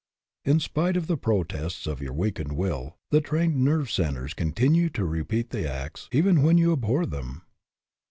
In spite of the protests of your weakened will, the trained nerves continue to repeat the acts even when you abhor them.